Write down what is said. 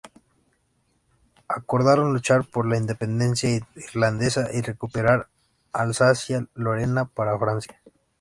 Acordaron luchar por la independencia irlandesa y recuperar Alsacia-Lorena para Francia.